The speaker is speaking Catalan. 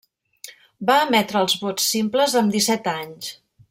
Va emetre els vots simples amb disset anys.